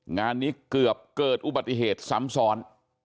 งานนี้เกือบเกิดอุบัติเหตุซ้ำซ้อน